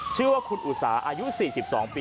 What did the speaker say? ชื่อว่าคุณอุสาอายุ๔๒ปี